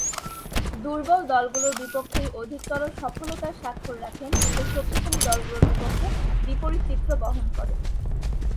দূর্বল দলগুলোর বিপক্ষেই অধিকতর সফলতার স্বাক্ষর রাখেন; কিন্তু, শক্তিশালী দলগুলোর বিপক্ষে বিপরীত চিত্র বহন করে।